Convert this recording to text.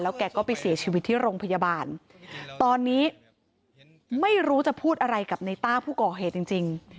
แกก็ไปเสียชีวิตที่โรงพยาบาลตอนนี้ไม่รู้จะพูดอะไรกับในต้าผู้ก่อเหตุจริงจริง